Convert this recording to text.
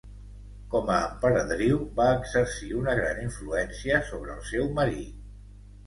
Com a emperadriu, va exercir una gran influència sobre el seu marit.